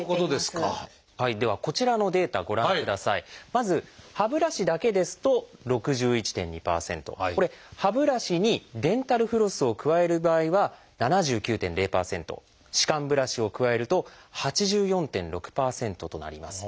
まず歯ブラシだけですと６１．２％これ歯ブラシにデンタルフロスを加える場合は７９．０％歯間ブラシを加えると８４．６％となります。